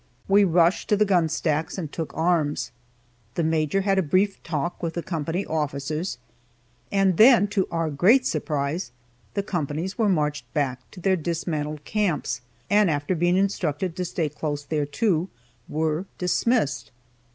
We rushed to the gun stacks and took arms. The Major had a brief talk with the company officers, and then, to our great surprise, the companies were marched back to their dismantled camps, and after being instructed to stay close thereto, were dismissed.